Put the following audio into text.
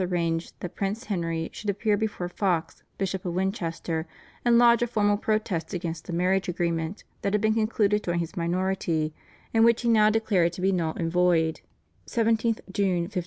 arranged that Prince Henry should appear before Fox, Bishop of Winchester, and lodge a formal protest against a marriage agreement that had been concluded during his minority and which he now declared to be null and void (17th June, 1505).